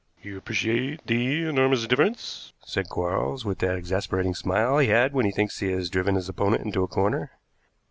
"You appreciate the enormous difference," said Quarles with that exasperating smile he had when he thinks he has driven his opponent into a corner.